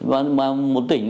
mà một tỉnh